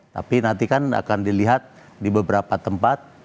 tapi nanti kan akan dilihat di beberapa tempat